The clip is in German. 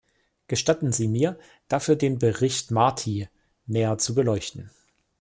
Gestatten Sie mir, dafür den Bericht Marty näher zu beleuchten.